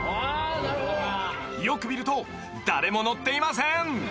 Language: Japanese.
［よく見ると誰も乗っていません］